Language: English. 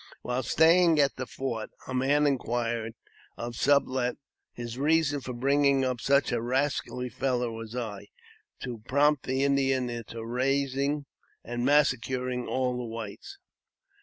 While staying at the fort, a man inquired of Sublet his reason for bringing up such a rascally fellow as I, to prompt Ij the Indians into rising and massacring all the whites.